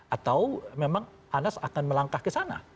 atau memang anas akan melangkah ke sana